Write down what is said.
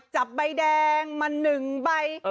จับใบแดงมาหนึ่งใบ